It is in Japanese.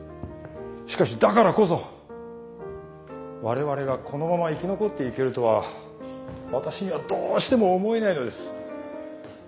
しかしだからこそ我々がこのまま生き残っていけるとは私にはどうしても思えないのです。